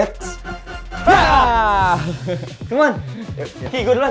c'mon kiki gue duluan